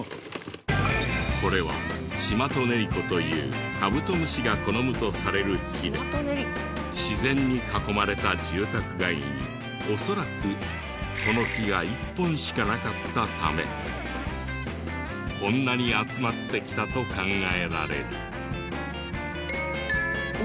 これはシマトネリコというカブトムシが好むとされる木で自然に囲まれた住宅街に恐らくこの木が１本しかなかったためこんなに集まってきたと考えられる。